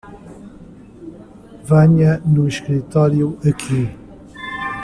Venha no escritório aqui.